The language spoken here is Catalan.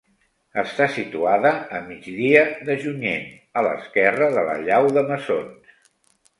Està situada a migdia de Junyent, a l'esquerra de la Llau de Mesons.